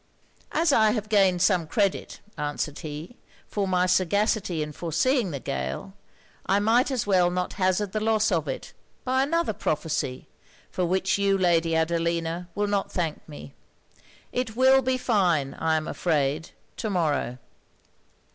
'As I have gained some credit,' answered he, 'for my sagacity in foreseeing the gale, I might perhaps as well not hazard the loss of it, by another prophecy, for which you, Lady Adelina, will not thank me. It will be fine, I am afraid, to morrow.'